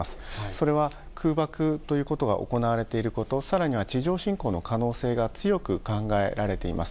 それは、空爆ということが行われていること、さらには地上侵攻の可能性が強く考えられています。